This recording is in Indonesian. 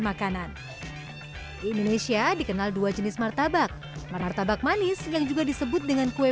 makanan indonesia dikenal dua jenis martabak martabak manis yang juga disebut dengan kue